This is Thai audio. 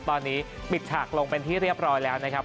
ตอนนี้ปิดฉากลงเป็นที่เรียบร้อยแล้วนะครับ